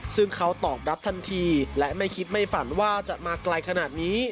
ซึ่งเขาตอบรับทันทีและไม่คิดไม่ฝันว่าจะมาไกลขนาดนี้